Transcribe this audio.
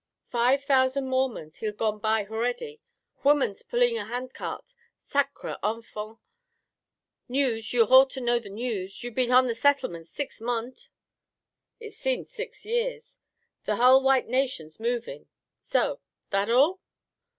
"Five thousand Mormons, he'll gone by h'aready. H'womans pullin' the han'cart, sacre Enfant! News you'll h'ought to know the news. You'll been h'on the settlement six mont'!" "Hit seemed six year. The hull white nation's movin'. So. That all?"